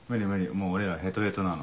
もう俺らヘトヘトなの。